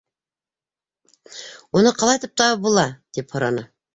Уны ҡалайтып табып була? - тип һораны.